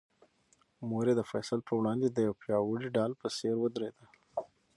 مور یې د فیصل په وړاندې د یوې پیاوړې ډال په څېر ودرېده.